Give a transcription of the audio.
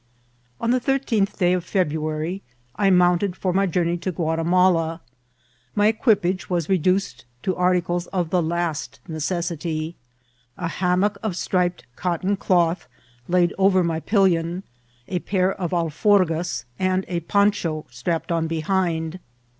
On the thirteenth day of Febraary I moimted for my journey to Guatimala. My eqnipage was reduced to articles of the last necessity : a hammock of striped cotton cloth laid over my pellon, a pair of alforgasy and a poncha strapped on behind.